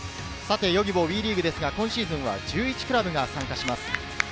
ＹｏｇｉｂｏＷＥリーグは今シーズンは１１クラブが参加します。